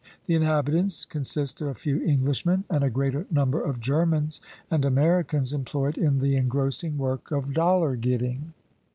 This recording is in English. The inhabitants consist of a few Englishmen, and a greater number of Germans and Americans, employed in the engrossing work of dollar getting.